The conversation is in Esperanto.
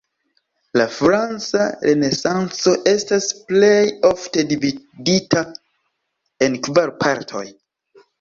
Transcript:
La franca Renesanco estas plej ofte dividita en kvar partoj.